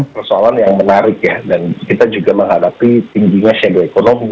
persoalan yang menarik ya dan kita juga menghadapi tingginya shadow economy